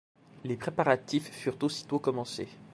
Les préparatifs furent aussitôt commencés.